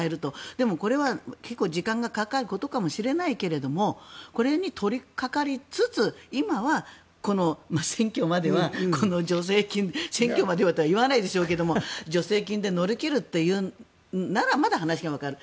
でもこれは結構時間がかかることかもしれないけどこれに取りかかりつつ今は、選挙まではこの助成金選挙までとは言わないでしょうけど助成金で乗り切るというならまだ話はわかる。